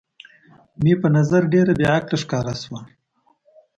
مې په نظر ډېره بې عقله ښکاره شول.